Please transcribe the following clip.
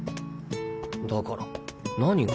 だから何が？